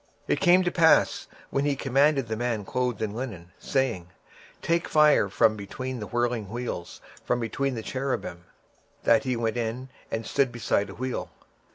26:010:006 And it came to pass, that when he had commanded the man clothed with linen, saying, Take fire from between the wheels, from between the cherubims; then he went in, and stood beside the wheels.